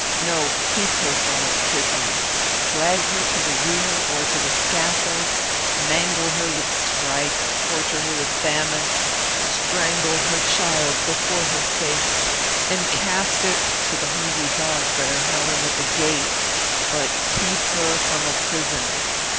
No; keep her from a prison. Drag her to the wheel or to the scaffold; mangle her with stripes; torture her with famine; strangle her child before her face, and cast it to the hungry dogs that are howling at the gate; but keep her from a prison.